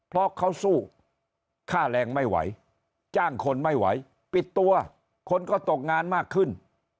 เพราะเขาสู้ค่าแรงไม่ไหวจ้างคนไม่ไหวปิดตัวคนก็ตกงานมากขึ้น